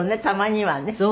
たまにはね。